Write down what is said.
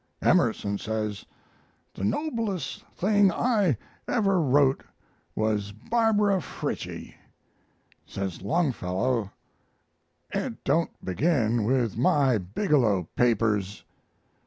Emerson says, 'The noblest thing I ever wrote was "Barbara Frietchie."' Says Longfellow, 'It don't begin with my "Bigelow Papers."'